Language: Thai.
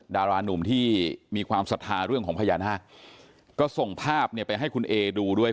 ดารานุ่มที่มีความศรัทธาเรื่องของพญานาคก็ส่งภาพเนี่ยไปให้คุณเอดูด้วย